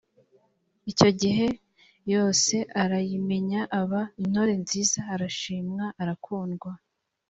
icyo gihe yose arayimenya aba intore nziza arashimwa arakundwa